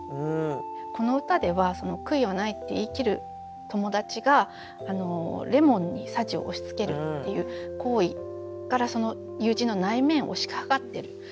この歌では「悔いはない」って言い切る友達がレモンに匙を押しつけるっていう行為からその友人の内面を推し量ってる。